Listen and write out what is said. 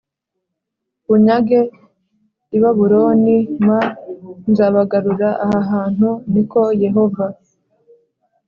Bunyage i babuloni m nzabagarura aha hantu ni ko yehova